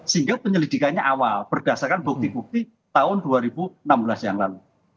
sehingga penyelidikannya awal berdasarkan bukti bukti tahun dua ribu enam belas yang lalu